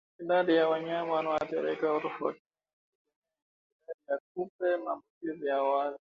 Idadi ya wanyama wanaoathirika hutofautiana kutegemea eneo idadi ya kupe maambukizi ya awali